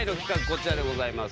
こちらでございます。